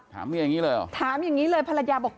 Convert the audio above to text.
เมียอย่างนี้เลยเหรอถามอย่างนี้เลยภรรยาบอก